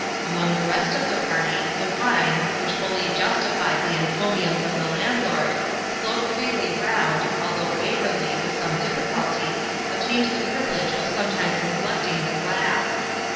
Among the rest of the party, the wine, which fully justified the encomiums of the landlord, flowed freely round, although Waverley, with some difficulty, obtained the privilege of sometimes neglecting the glass.